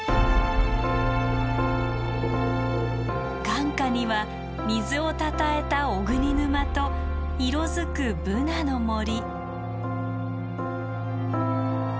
眼下には水をたたえた雄国沼と色づくブナの森。